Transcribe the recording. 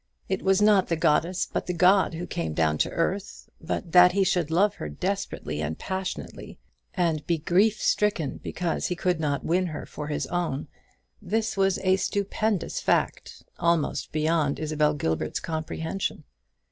It was not the goddess, but the god, who came down to earth. But that he should love her desperately and passionately, and be grief stricken because he could not win her for his own, this was a stupendous fact, almost beyond Isabel Gilbert's comprehension.